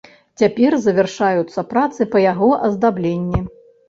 Цяпер завяршаюцца працы па яго аздабленні.